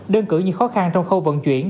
đơn cử như khó khăn trong khâu vận chuyển